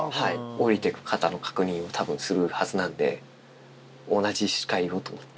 降りていく方の確認をたぶんするはずなんで、同じ視界をと思って。